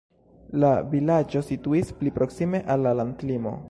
La vilaĝo situis pli proksime al la landlimo.